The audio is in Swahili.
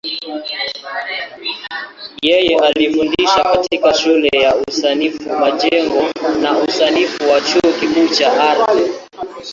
Yeye alifundisha katika Shule ya Usanifu Majengo na Usanifu wa Chuo Kikuu cha Ardhi.